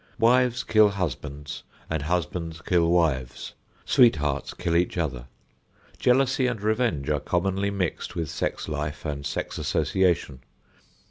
Wives kill husbands and husbands kill wives; sweethearts kill each other. Jealousy and revenge are commonly mixed with sex life and sex association.